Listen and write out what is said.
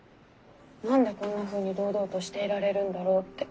何でこんなふうに堂々としていられるんだろうって。